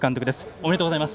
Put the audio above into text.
おめでとうございます。